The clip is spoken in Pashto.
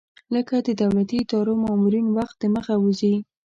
لکه د دولتي ادارو مامورین وخت دمخه وځي.